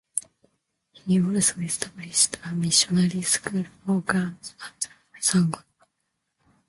He also established a missionary school for girls at Sangota.